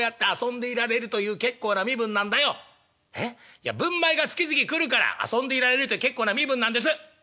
「いや分米が月々来るから遊んでいられる結構な身分なんです」。